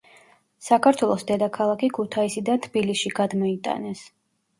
საქართველოს დედაქალაქი ქუთაისიდან თბილისში გადმოიტანეს.